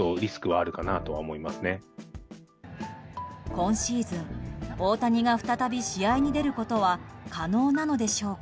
今シーズン、大谷が再び試合に出ることは可能なのでしょうか。